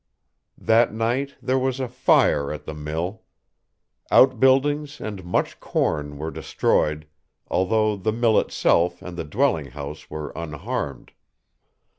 That night there was a fire at the mill. Outbuildings and much corn were destroyed, although the mill itself and the dwelling house were unharmed.